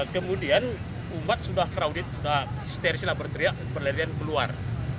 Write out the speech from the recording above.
kemudian umat sudah kraudit sudah stresila berteriak berlarian keluar